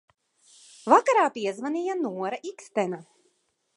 Vakarā piezvanīja Nora Ikstena.